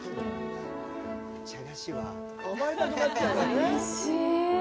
おいしい。